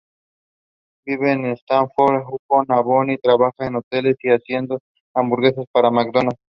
Vive en Stratford-upon-Avon y trabaja en hoteles y haciendo hamburguesas para McDonald’s.